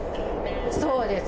そうです。